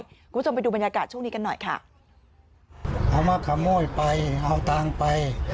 คุณผู้ชมไปดูบรรยากาศช่วงนี้กันหน่อยค่ะ